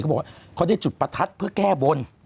เขาบอกว่าเขาได้จุดประทัดเพื่อแก้บน